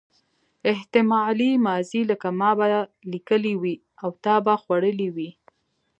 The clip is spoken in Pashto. احتمالي ماضي لکه ما به لیکلي وي او تا به خوړلي وي.